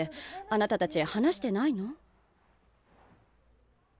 あなたたち話してないの？